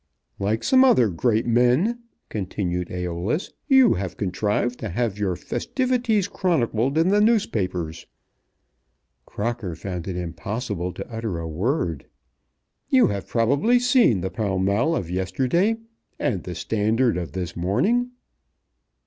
"Like some other great men," continued Æolus, "you have contrived to have your festivities chronicled in the newspapers." Crocker found it impossible to utter a word. "You have probably seen the Pall Mall of yesterday, and the Standard of this morning?"